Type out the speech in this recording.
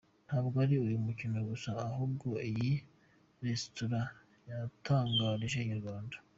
Ntabwo ari uyu mukino gusa ahubwo iyi Resitora yatangarije Inyarwanda.